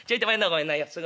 ごめんない。